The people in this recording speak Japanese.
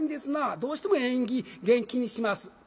どうしても縁起験気にします。